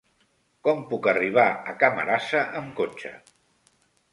Com puc arribar a Camarasa amb cotxe?